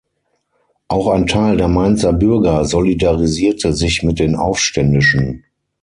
Auch ein Teil der Mainzer Bürger solidarisierte sich mit den Aufständischen.